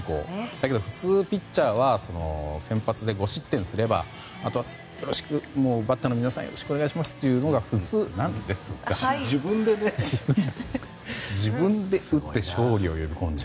だけど、普通ピッチャーは先発で５失点すればあとはバッターの皆さんよろしくお願いしますというのが普通なんですが自分で打って勝利を呼び込んで。